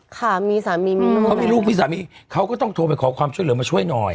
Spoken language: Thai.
ค่ะมีสามีมีลูกเขามีลูกมีสามีเขาก็ต้องโทรไปขอความช่วยเหลือมาช่วยหน่อย